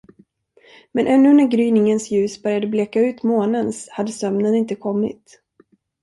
Men ännu när gryningens ljus började bleka ut månens hade sömnen inte kommit.